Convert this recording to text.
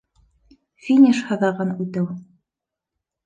Финиш һыҙығын үтеү